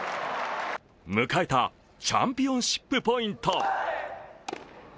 迎えたチャンピオンシップポイント。